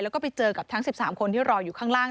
แล้วก็ไปเจอกับทั้ง๑๓คนที่รออยู่ข้างล่าง